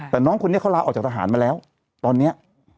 แต่น้องคนนี้เขาลาออกจากทหารมาแล้วตอนนี้